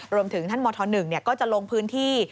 รวมถึงท่านมธ๑ก็จะลงพื้นที่